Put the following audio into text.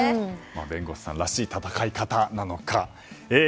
弁護士さんらしい戦い方なのか。